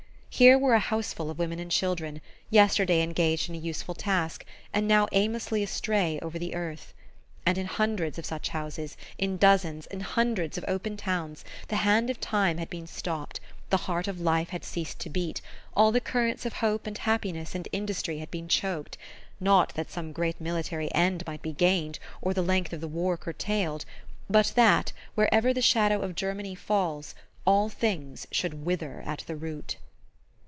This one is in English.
Here were a houseful of women and children, yesterday engaged in a useful task and now aimlessly astray over the earth. And in hundreds of such houses, in dozens, in hundreds of open towns, the hand of time had been stopped, the heart of life had ceased to beat, all the currents of hope and happiness and industry been choked not that some great military end might be gained, or the length of the war curtailed, but that, wherever the shadow of Germany falls, all things should wither at the root.